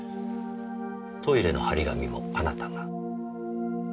トイレの張り紙もあなたが？